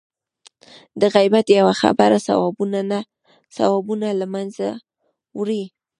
د غیبت یوه خبره ثوابونه له منځه وړي.